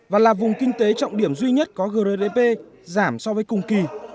và là vùng kinh tế trọng điểm duy nhất có grdp giảm so với cùng kỳ